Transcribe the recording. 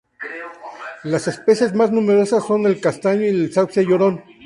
Las especies más numerosas son el castaño y el sauce llorón.